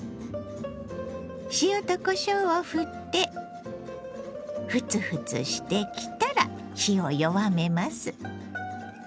塩とこしょうをふってフツフツしてきたら火を弱めます。